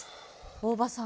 大庭さん